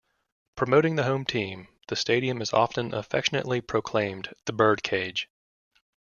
Promoting the home team, the stadium is often affectionately proclaimed "The Birdcage".